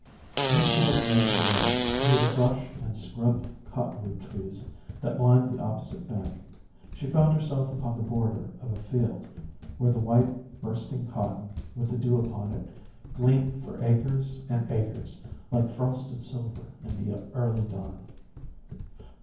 When she had made her way through the brush and scrub cottonwood trees that lined the opposite bank, she found herself upon the border of a field where the white, bursting cotton, with the dew upon it, gleamed for acres and acres like frosted silver in the early dawn.